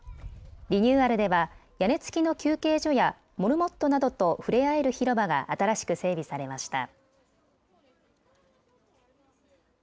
リニューアルでは屋根付きの休憩所やモルモットなどと触れ合える広場が新しく整備されました。